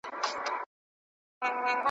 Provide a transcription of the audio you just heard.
اوس خو ارام شه! خیر دې ساه واخله! په تا څه شوي؟